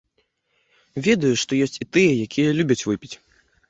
Ведаю, што ёсць і тыя, якія любяць выпіць.